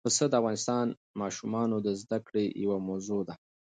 پسه د افغان ماشومانو د زده کړې یوه موضوع ده.